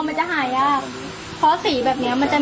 นี่เห็นจริงตอนนี้ต้องซื้อ๖วัน